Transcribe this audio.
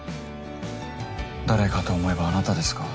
誰かと思えばあなたですか。